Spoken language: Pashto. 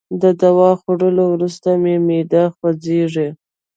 د دوا خوړولو وروسته مي معده خوږیږي.